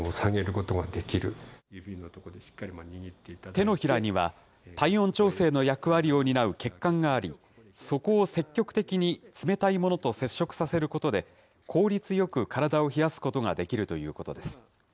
手のひらには、体温調整の役割を担う血管があり、そこを積極的に冷たいものと接触させることで、効率よく体を冷やすことができるということです。